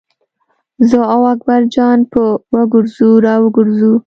زه او اکبر جان به وګرځو را وګرځو.